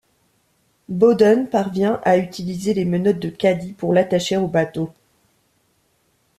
Bowden parvient à utiliser les menottes de Cady pour l'attacher au bateau.